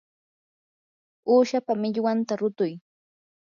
uushapa millwanta rutuy.